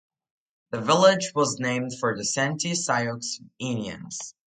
The village was named for the Santee Sioux Indians.